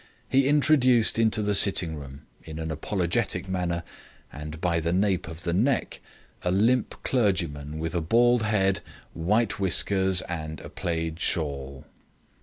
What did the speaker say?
He introduced into the sitting room, in an apologetic manner, and by the nape of the neck, a limp clergyman with a bald head, white whiskers and a plaid shawl.